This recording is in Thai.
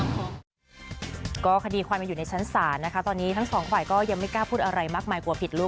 คดีความความอื่นอยู่ในชั้นศาลตอนนี้ทั้งสองฝ่าย